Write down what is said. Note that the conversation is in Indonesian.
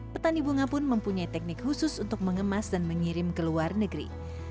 petani bunga pun mempunyai teknik khusus untuk mengemas dan mengirim ke luar negeri